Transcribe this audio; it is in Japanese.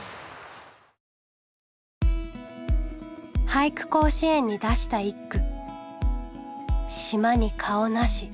俳句甲子園に出した一句。